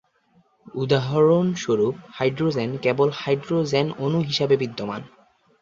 উদাহরণস্বরূপ, হাইড্রোজেন কেবল হাইড্রোজেন অণু হিসাবে বিদ্যমান।